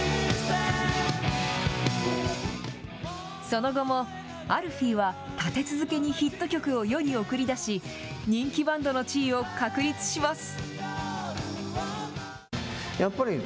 その後もアルフィーは立て続けにヒット曲を世に送り出し、人気バンドの地位を確立します。